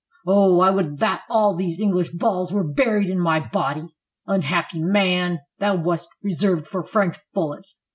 Oh! I would that all these English balls were buried in my body !" Unhappy man! thou wast reserved for French bullets!